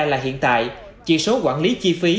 là hiện tại chỉ số quản lý chi phí